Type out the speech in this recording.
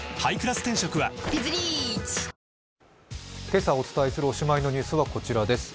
今朝お伝えするおしまいのニュースはこちらです。